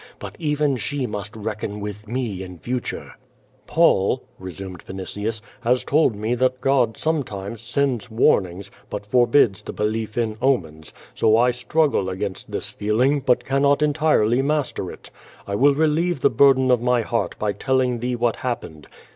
But even she must reckon with me in future." "Paul," resumed Vinitius, "has told me that God sometimes sends warnings, but forbids the belief in omens, so I struggle against this feeling, but cannot entirely master it. I will re lieve the burden of my heart by telling thee what happened.